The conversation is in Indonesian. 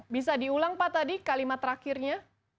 bisa diulang pak tadi kalimat terakhirnya